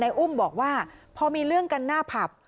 อุ้มบอกว่าพอมีเรื่องกันหน้าผับ